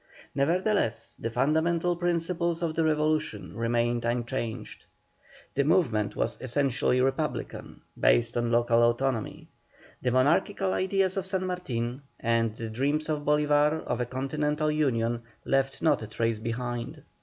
Nevertheless the fundamental principles of the Revolution remained unchanged. The movement was essentially Republican, based on local autonomy. The monarchical ideas of San Martin, and the dreams of Bolívar of a continental union, left not a trace behind.